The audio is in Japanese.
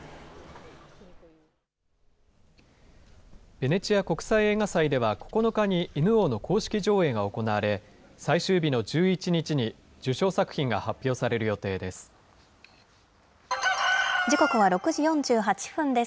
ベネチア国際映画祭では、９日に犬王の公式上映が行われ、最終日の１１日に受賞作品が発表時刻は６時４８分です。